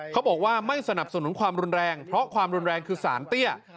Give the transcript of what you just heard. เขาบอกว่าไม่สนับสนุนความรุนแรงเพราะความรุนแรงคือสารเตี้ย